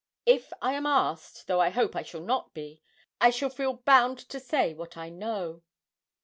If I am asked, though I hope I shall not be, I shall feel bound to say what I know.'